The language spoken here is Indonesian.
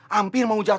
hampir mau jatuh